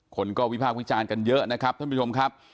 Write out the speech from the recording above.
คนก็วิพากษ์วิจารณ์กันเยอะนะครับท่านผู้ชมครับ